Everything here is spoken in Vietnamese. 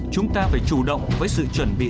chúng ta phải chủ động với sự chuẩn bị